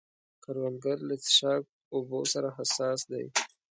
کروندګر له څښاک اوبو سره حساس دی